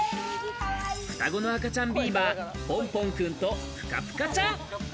双子の赤ちゃんビーバー、ぽんぽんくんとぷかぷかちゃん。